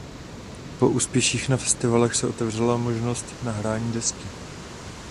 Po úspěších na festivalech se otevřela možnost nahrání desky.